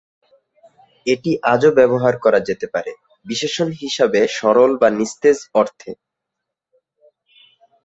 এটি আজও ব্যবহার করা যেতে পারে, বিশেষণ হিসাবে সরল বা নিস্তেজ অর্থে।